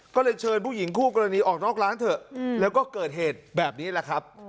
ก็เลยเชิญผู้หญิงคู่กรณีออกนอกร้านเถอะแล้วก็เกิดเหตุแบบนี้แหละครับ